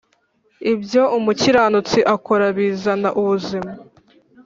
Ibyo umukiranutsi akora bizana ubuzima